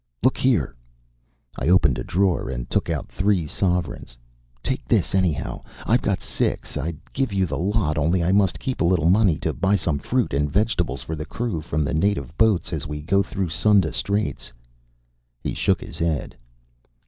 "Look here!" I opened a drawer and took out three sovereigns. "Take this anyhow. I've got six and I'd give you the lot, only I must keep a little money to buy some fruit and vegetables for the crew from native boats as we go through Sunda Straits." He shook his head.